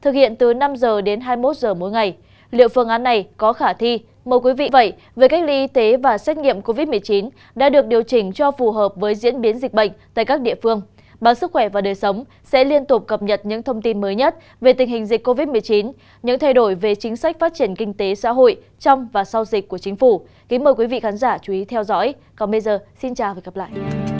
cảm ơn quý vị khán giả đã theo dõi xin chào và hẹn gặp lại